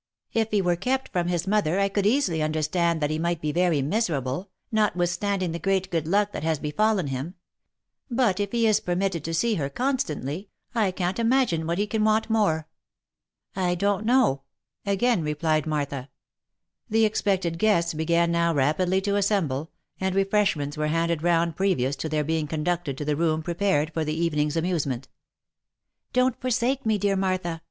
" If he were kept from his mother I could easily understand that he might be very miserable, notwithstanding the great good luck that has be fallen him ; but if he is permitted to see her constantly, I can't imagine what he can want more." " I don't know," again replied Martha. The expected guests began now rapidly to assemble, and refresh ments were handed round previous to their being conducted to the room prepared for the evening's amusement. " Don't forsake me, dear Martha